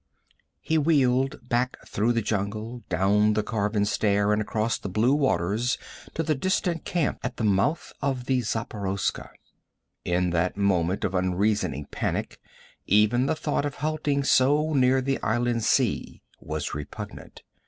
He wheeled back through the jungle, down the carven stair and across the blue waters to the distant camp at the mouth of the Zaporoska. In that moment of unreasoning panic even the thought of halting so near the inland sea was repugnant.